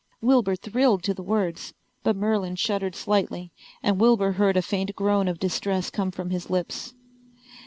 Wilbur thrilled to the words. But Merlin shuddered slightly and Wilbur heard a faint groan of distress come from his lips.